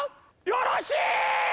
よろしい！